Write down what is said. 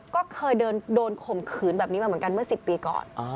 ก็เคยโดนข่มขืนแบบนี้มาเหมือนกันเมื่อ๑๐ปีก่อน